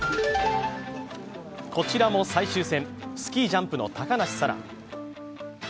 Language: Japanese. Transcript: こちらも最終戦スキージャンプの高梨沙羅。